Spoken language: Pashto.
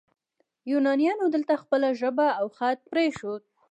یونانیانو دلته خپله ژبه او خط پریښود